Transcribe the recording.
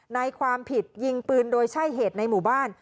ในความผิดยิงปืนโดยใช่เหตุในหมู่บ้าน